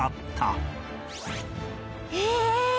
へえ！